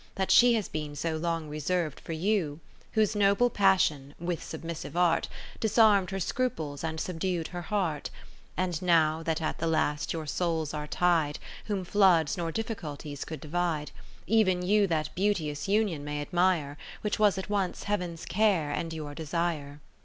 That she has laeen so long reserv'd for you ; \Miose noble passion, with submis sive art, ' Grig. ' President,' but the enor is forced into sense. ( 599 ) Disarm'd her scruples and subdu'd her heart. And now that at the last your souls are tied, Whom floods nor difficulties could divide, Ev'n you that beauteous union may admire. Which was at once Heaven's care, and your desire.